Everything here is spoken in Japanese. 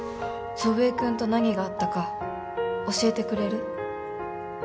祖父江君と何があったか教えてくれる？